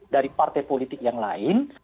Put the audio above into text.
dari partai politik yang lain